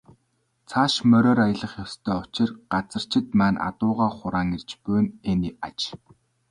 Цааш мориор аялах ёстой учир газарчид маань адуугаа хураан ирж буй нь энэ аж.